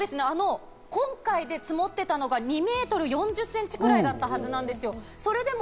今回、積もってたのが２メートル４０センチぐらいだったはずなんですよ。